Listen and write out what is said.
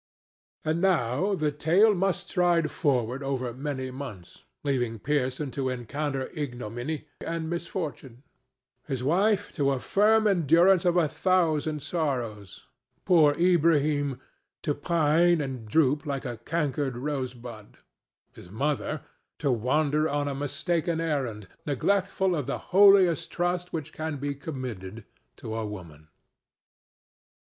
And now the tale must stride forward over many months, leaving Pearson to encounter ignominy and misfortune; his wife, to a firm endurance of a thousand sorrows; poor Ilbrahim, to pine and droop like a cankered rose bud; his mother, to wander on a mistaken errand, neglectful of the holiest trust which can be committed to a woman.